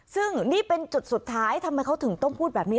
ซึ่งนี่เป็นจุดสุดท้ายทำไมเขาถึงต้องพูดแบบนี้